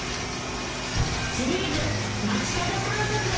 シリーズ、街角観測。